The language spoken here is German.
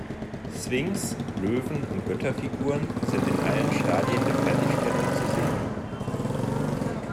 Sphinx-, Löwen- und Götterfiguren sind in allen Stadien der Fertigstellung zu sehen.